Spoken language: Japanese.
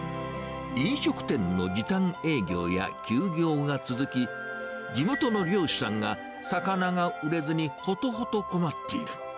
飲食店の時短営業や休業が続き、地元の漁師さんが魚が売れずにほとほと困っている。